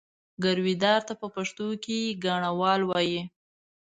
ګرويدار ته په پښتو کې ګاڼهوال وایي.